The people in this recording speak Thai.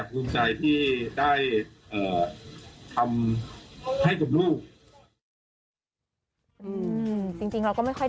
ภูมิใจที่ได้ทำให้กับลูก